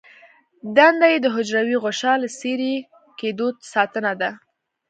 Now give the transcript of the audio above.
دنده یې د حجروي غشا له څیرې کیدو ساتنه ده.